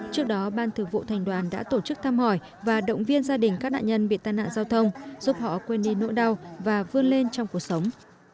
trước đó ban thực vụ thành đoàn đã tổ chức thăm hỏi và động viên gia đình các nạn nhân bị tai nạn giao thông giúp họ quên đi nỗi đau và vươn lên trong cuộc sống